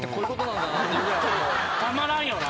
たまらんよな。